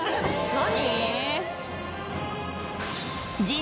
何？